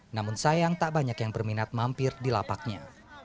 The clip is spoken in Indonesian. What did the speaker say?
namun sayang tak banyak yang berminat mampir di lapaknya